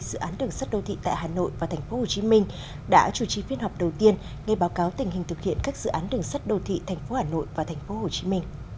dự án đường sắt đô thị tại hà nội và tp hcm đã chủ trì phiên họp đầu tiên ngay báo cáo tình hình thực hiện các dự án đường sắt đô thị tp hcm